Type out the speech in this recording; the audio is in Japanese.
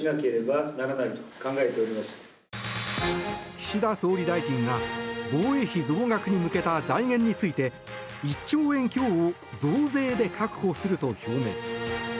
岸田総理大臣が防衛費増額に向けた財源について１兆円強を増税で確保すると表明。